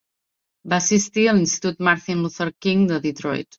Va assistir a l'Institut Martin Luther King de Detroit.